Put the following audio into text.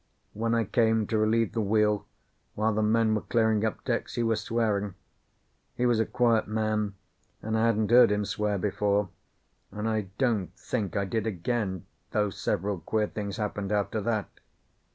When I came to relieve the wheel, while the men were clearing up decks, he was swearing. He was a quiet man, and I hadn't heard him swear before, and I don't think I did again, though several queer things happened after that.